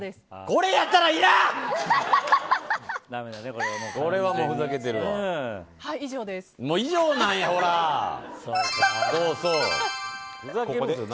これやったらいらん！